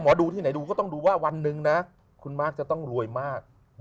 ดูที่ไหนดูก็ต้องดูว่าวันหนึ่งนะคุณมาร์คจะต้องรวยมาก